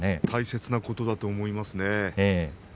大切なことだと思いますね。